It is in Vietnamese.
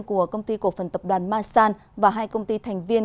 của công ty cổ phần tập đoàn masan và hai công ty thành viên